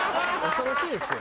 恐ろしいですよ。